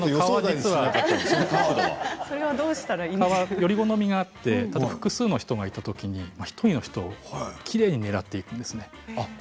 より好みがあって複数の人がいたときに１人の人をきれいに狙っていくんですね。